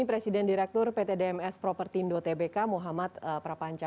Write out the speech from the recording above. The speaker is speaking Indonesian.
presiden direktur pt dms properti ndo tbk muhammad prapanca